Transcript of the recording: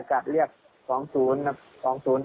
แต่ว่าสุดท้ายก็ตามจนทัน